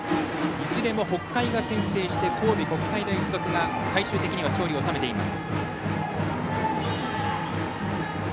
いずれも北海が先制して神戸国際大付属が最終的には勝利を収めています。